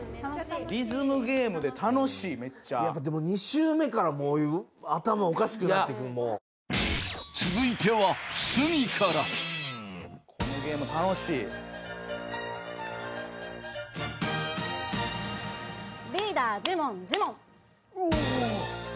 リズムゲームで楽しいめっちゃやっぱでも２周目からもう頭おかしくなってくるもう続いては鷲見からこのゲーム楽しい・えっ？